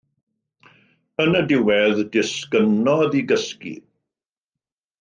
Yn y diwedd disgynnodd i gysgu.